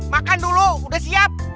makan dulu udah siap